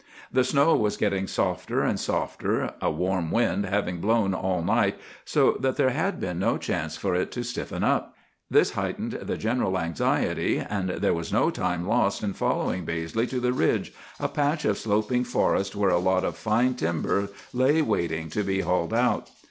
The snow was getting softer and softer, a warm wind having blown all night so that there had been no chance for it to stiffen up. This heightened the general anxiety; and there was no time lost in following Baizley to 'the Ridge,' a patch of sloping forest where a lot of fine timber lay waiting to be hauled out.